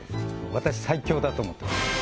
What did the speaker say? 私最強だと思ってます